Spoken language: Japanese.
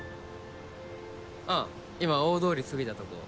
うん今大通り過ぎたとこ。